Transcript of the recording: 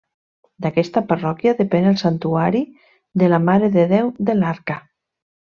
D'aquesta parròquia depèn el santuari de la Mare de Déu de l'Arca.